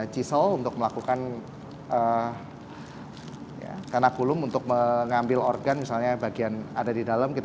chisel untuk melakukan kanakulum untuk mengambil organ misalnya bagian ada di dalam kita